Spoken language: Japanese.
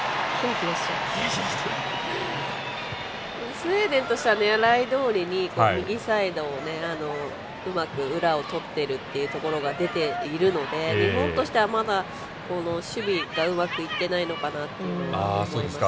スウェーデンとしては狙いどおりに右サイドをうまく裏をとっているというところが出ているので日本としてはまだ守備がうまくいってないのかなと思います。